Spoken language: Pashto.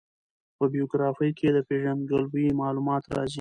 په بېوګرافي کښي د پېژندګلوي معلومات راځي.